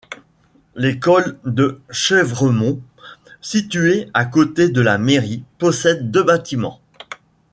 L'école de Chèvremont, située à côté de la mairie, possède deux bâtiments.